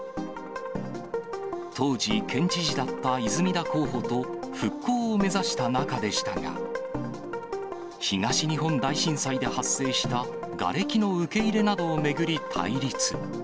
当時、県知事だった泉田候補と復興を目指した仲でしたが、東日本大震災で発生したがれきの受け入れなどを巡り、対立。